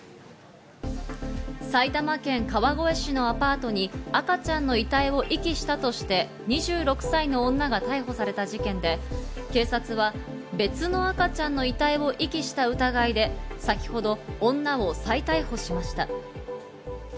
埼玉県川越市のアパートに赤ちゃんの遺体を遺棄したとして２６歳の女が逮捕された事件で、警察は別の赤ちゃんの遺体を遺棄した疑いで先ほど女を再逮捕しました。